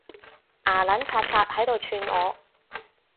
牙撚擦擦喺度串我